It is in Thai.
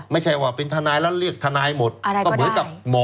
ไม่ใช่ว่าเป็นทนายแล้วเรียกทนายหมดก็เหมือนกับหมอ